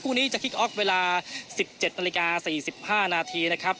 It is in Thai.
คู่นี้จะคลิกออฟเวลา๑๗นาฬิกา๔๕นาทีนะครับ